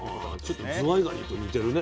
ちょっとズワイガニと似てるね。